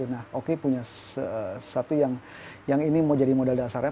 nah oki punya satu yang ini mau jadi modal dasarnya